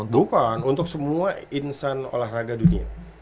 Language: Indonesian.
bukan untuk semua insan olahraga dunia